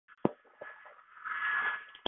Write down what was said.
而取其跑三步跃称之为沙蒂希步。